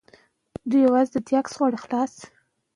که نجونې زده کړې وکړي نو د پردیو محتاج به نه وي.